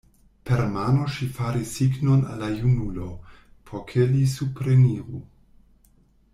Per mano ŝi faris signon al la junulo, por ke li supreniru.